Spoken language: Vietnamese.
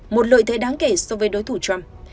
một lợi thế đáng kể so với đối thủ trump